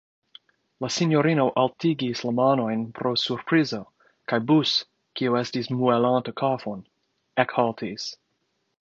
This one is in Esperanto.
La sinjorino altigis la manojn pro surprizo, kaj Bus, kiu estis muelanta kafon, ekhaltis.